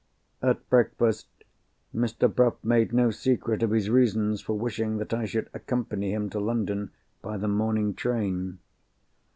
At breakfast, Mr. Bruff made no secret of his reasons for wishing that I should accompany him to London by the morning train.